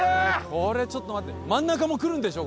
これちょっと待って真ん中も来るんでしょ